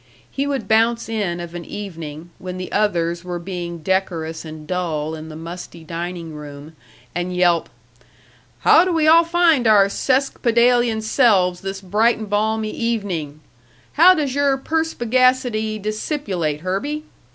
He would bounce in of an evening, when the others were being decorous and dull in the musty dining room, and yelp: "How do we all find our seskpadalian selves this bright and balmy evenin'? How does your perspegacity discipulate, Herby?